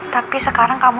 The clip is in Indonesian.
tapi sekarang gue tuh